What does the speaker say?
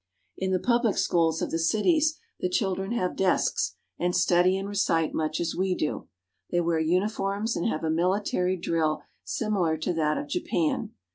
In the public schools of the cities the children have desks, and study and recite much as we do. They wear uniforms and have a military drill similar to that of Japan.